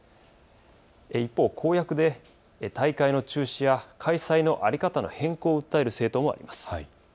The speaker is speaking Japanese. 一方、公約で大会の中止や開催の在り方の変更を訴える政党もあります。